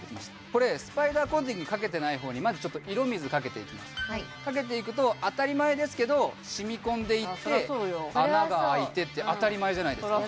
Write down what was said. これスパイダーコーティングかけてない方にまずちょっと色水かけていきますかけていくと当たり前ですけどしみ込んでいって穴が開いてっていう当たり前じゃないですか